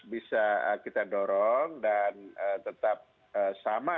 bisa kita dorong dan tetap sama